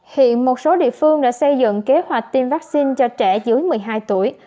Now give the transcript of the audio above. hiện một số địa phương đã xây dựng kế hoạch tiêm vaccine cho trẻ dưới một mươi hai tuổi